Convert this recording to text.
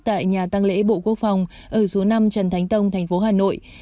tại nhà tăng lễ bộ quốc phòng ở số năm trần thánh tông thành phố hà nội